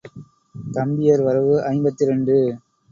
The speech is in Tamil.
தம்பியர் வரவு ஐம்பத்திரண்டு.